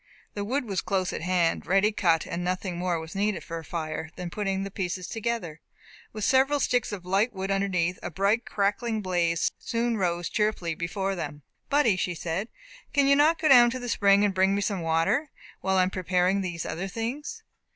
The wood was close at hand, ready cut, and nothing more was needed for a fire than putting the pieces together, with several sticks of light wood underneath; a bright cracking blaze soon rose cheerfully before them. "Buddy," she said, "can you not go down to the spring, and bring me some water, while I am preparing these other things?"